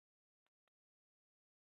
这种形态都是离片锥目的亚目。